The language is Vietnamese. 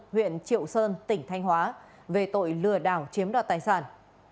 huyện triệu sơn tỉnh thanh hóa về tội lừa đảo chiếm đoạt tài sản